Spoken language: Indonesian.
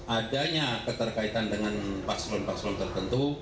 adanya keterkaitan dengan barcelona brasil tertentu